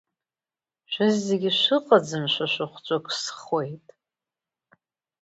Шәызегьы шәыҟаӡамшәа шәыхәҵәы ықәсхуеит…